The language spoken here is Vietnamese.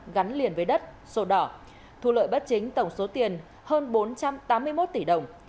gắn liền với đất sổ đỏ thu lợi bất chính tổng số tiền hơn bốn trăm tám mươi một tỷ đồng